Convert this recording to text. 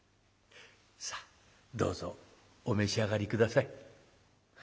「さあどうぞお召し上がり下さい。